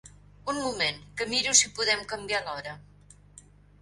Un moment que miro si podem canviar l'hora.